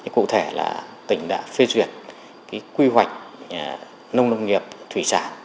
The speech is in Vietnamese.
cụ thể là tỉnh đã phê duyệt quy hoạch nông nông nghiệp thủy sản